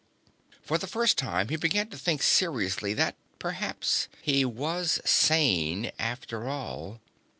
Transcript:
For the first time, he began to think seriously that, perhaps, he was sane after all.